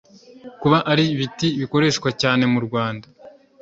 kuba ari ibiti bikoreshwa cyane murwanda